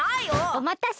おまたせ。